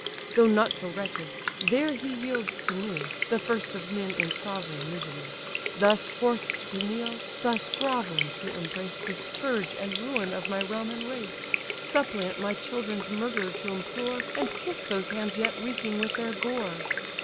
Though not so wretched: there he yields to me, The first of men in sovereign misery! Thus forced to kneel, thus grovelling to embrace The scourge and ruin of my realm and race; Suppliant my children's murderer to implore, And kiss those hands yet reeking with their gore!"